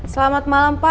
selamat malam pak